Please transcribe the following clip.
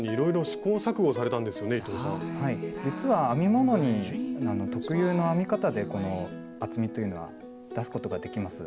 実は編み物に特有の編み方でこの厚みというのは出すことができます。